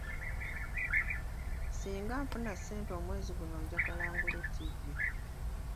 Singa nfuna ssente omwezi guno njagala ngule ttivvi.